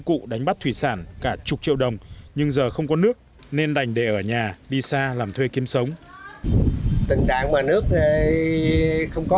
cụ đánh bắt thủy sản cả chục triệu đồng nhưng giờ không có nước nên đành để ở nhà đi xa làm thuê kiếm sống